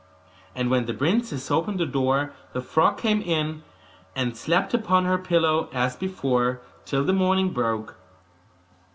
And when the princess opened the door the frog came in, and slept upon her pillow as before, till the morning broke.